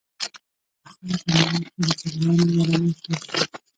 اخره زمانه شوه د چرګانو یارانه شوه.